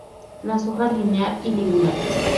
Las hojas linear o liguladas.